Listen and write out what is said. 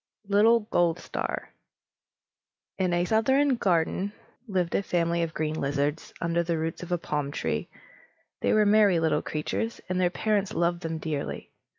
LITTLE GOLDSTAR (Adapted) In a southern garden lived a family of green lizards, under the roots of a palm tree. They were merry little creatures, and their parents loved them dearly.